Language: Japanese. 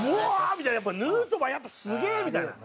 みたいなヌートバーやっぱすげえ！みたいな。